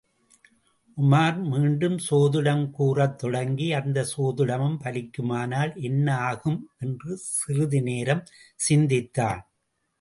உமார் மீண்டும் சோதிடம் கூறத் தொடங்கி, அந்தச் சோதிடமும் பலிக்குமானால் என்ன ஆகும் என்று சிறிது நேரம் சிந்தித்தான்.